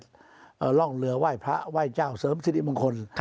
ร่องเรือไหว้พระไหว้เจ้าเสริมสิริมงคล